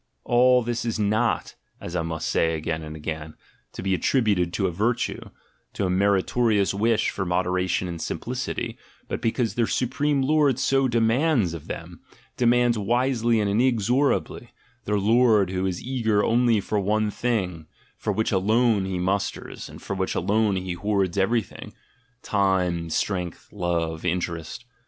All this is not, as I must say again and again, to be attributed to a virtue, to a meri torious wish for moderation and simplicity: but because their supreme lord so demands of them, demands wisely and inexorably; their lord who is eager only for one thing, for which alone he musters, and for which alone he hoards everything — time, strength, love, interest.